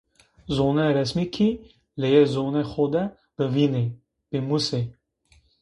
Zonê resmi ki leyê zonê xo de bıvinê, bımusê.